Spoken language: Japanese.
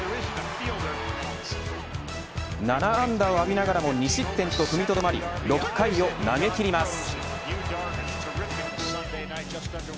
７安打を浴びながらも２失点と踏みとどまり６回を投げ切ります。